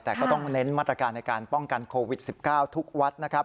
แต่ก็ต้องเน้นมาตรการในการป้องกันโควิด๑๙ทุกวัดนะครับ